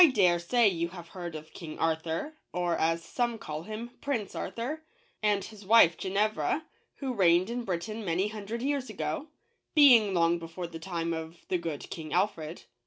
DARE say you have heard of King Arthur, or, as some call him, Prince Arthur, and his wife Genevra, who reigned in Britain many hundred years ago — being long before the time of the good King Alfred.